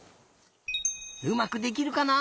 うまくできるかな？